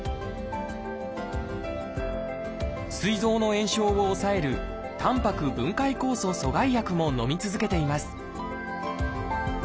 すい臓の炎症を抑える「たんぱく分解酵素阻害薬」ものみ続けています